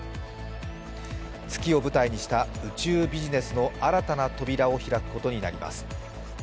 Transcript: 月を舞台にした宇宙ビジネスの新たな扉を開くことになります。